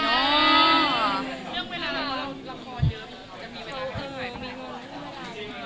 เรื่องเวลาละครเดิมเขาจะมีเวลาใคร